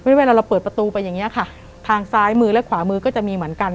เวลาเราเปิดประตูไปอย่างเงี้ยค่ะทางซ้ายมือและขวามือก็จะมีเหมือนกัน